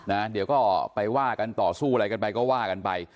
นะเดี๋ยวก็ไปว่ากันต่อสู้อะไรกันไปก็ว่ากันไป